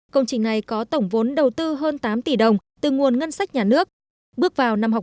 công trình này có tổng vốn đầu tư hơn tám tỷ đồng từ nguồn ngân sách nhà nước bước vào năm học